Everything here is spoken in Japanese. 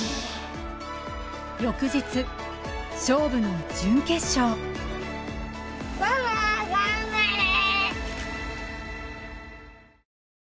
翌日勝負の準決勝ママ頑張れ！